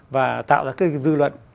và tạo ra cái dư luận